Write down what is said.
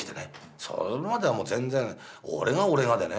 それまではもう全然俺が俺がでね。